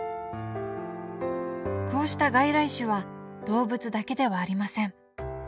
こうした外来種は動物だけではありません。